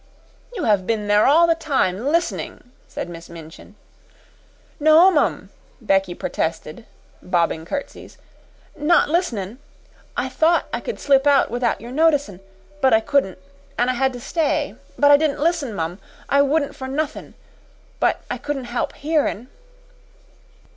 "You have been there all the time, listening," said Miss Minchin. "No, mum," Becky protested, bobbing curtsies. "Not listenin' I thought I could slip out without your noticin', but I couldn't an' I had to stay. But I didn't listen, mum I wouldn't for nothin'. But I couldn't help hearin'."